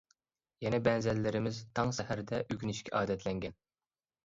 يەنە بەزەنلىرىمىز تاڭ سەھەردە ئۆگىنىشكە ئادەتلەنگەن.